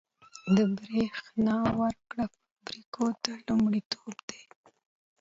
د بریښنا ورکړه فابریکو ته لومړیتوب دی